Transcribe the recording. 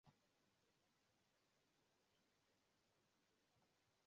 ya Uturuki inamtambua kama Mturuki kila mtu aliyezaliwa